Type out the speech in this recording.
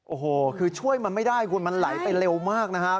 โอ้โหคือช่วยมันไม่ได้คุณมันไหลไปเร็วมากนะครับ